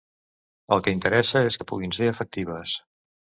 El que interessa és que puguin ser efectives.